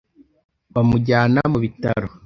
bamujyana mu bitaro,